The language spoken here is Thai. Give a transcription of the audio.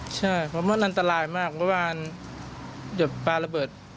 ใช่เพราะมันอันตรายมากเพราะว่าเดี๋ยวปลาระเบิด